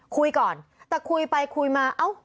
คุยก่อนแต่คุยไปคุยมาเอ้า